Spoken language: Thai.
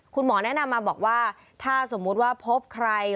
คุณหมอแนะนำมาบอกว่าถ้าสมมุติว่าพบใคร